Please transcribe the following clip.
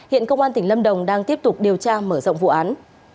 hiện công an tỉnh lâm đồng đang tiếp tục điều tra mở rộng vụ án